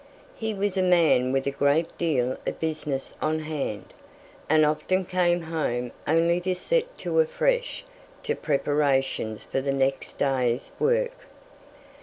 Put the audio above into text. He was a man with a great deal of business on hand, and often came home only to set to afresh to preparations for the next day's work.